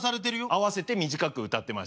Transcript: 合わせて短く歌ってましたね。